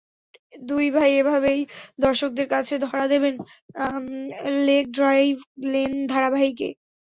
দুই ভাই এভাবেই দর্শকদের কাছে ধরা দেবেন লেক ড্রাইভ লেন ধারাবাহিকে।